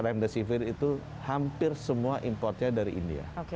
remdesivir itu hampir semua importnya dari india